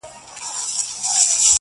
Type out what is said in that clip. ستا د حسن ترانه وای!.